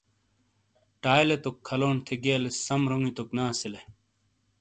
ٹائیلے توک کھَلونڈ تھے گیئلیس سم رونگی توک نے اَسِیلے۔